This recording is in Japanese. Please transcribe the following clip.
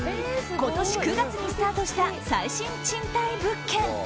今年９月にスタートした最新賃貸物件。